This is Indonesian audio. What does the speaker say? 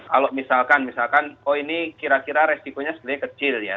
kalau misalkan misalkan oh ini kira kira resikonya sebenarnya kecil ya